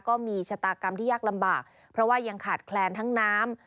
ก็มีชะตากรรมที่ยากลำบากเพราะว่ายังขาดแคลนทั้งน้ำ